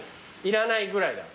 いらないぐらいだ。